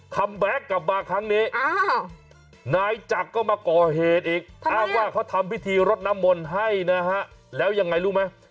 แบ็คกลับมาครั้งนี้นายจักรก็มาก่อเหตุอีกอ้างว่าเขาทำพิธีรดน้ำมนต์ให้นะฮะแล้วยังไงรู้ไหม